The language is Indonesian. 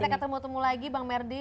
nanti kita ketemu ketemu lagi bang merdi